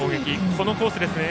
このコースですね。